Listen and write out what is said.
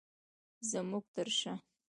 زمونږ تر شاه